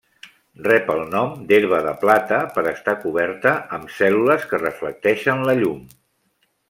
Rep el nom d'herba de plata per estar coberta amb cèl·lules que reflecteixen la llum.